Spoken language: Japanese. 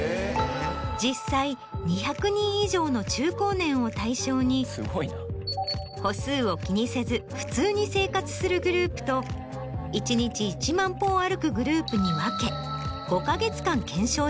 実際２００人以上の中高年を対象に歩数を気にせず普通に生活するグループと１日１万歩を歩くグループに分け。